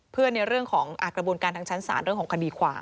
เพื่อในเรื่องของกระบวนการทางชั้นศาลเรื่องของคดีความ